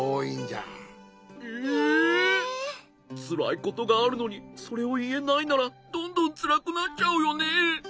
つらいことがあるのにそれをいえないならどんどんつらくなっちゃうよね。